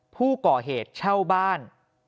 ผู้ก่อเหตุเช่าบ้าน